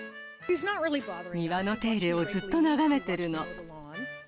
庭の手入れをずっと眺めてるの。